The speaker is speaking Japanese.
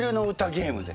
ゲームで。